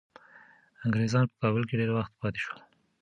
انګریزان په کابل کي ډیر وخت پاتې شول.